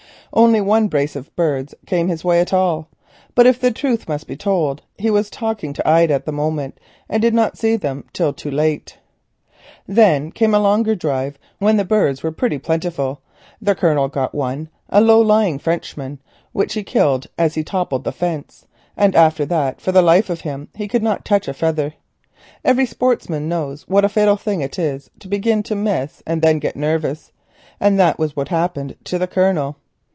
Only one brace of birds came his way at all, but if the truth must be told, he was talking to Ida at the moment and did not see them till too late. Then came a longer drive, when the birds were pretty plentiful. The Colonel got one, a low flying Frenchman, which he killed as he topped the fence, and after that for the life of him he could not touch a feather. Every sportsman knows what a fatal thing it is to begin to miss and then get nervous, and that was what happened to the Colonel.